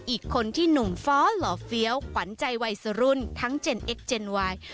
อีกคนที่หนุ่มฟ้อนหล่อเฟี้ยวขวัญใจวัยสรุ่นทั้งเจนเอ็กเจนวาย